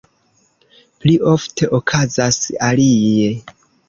Pli ofte okazas alie.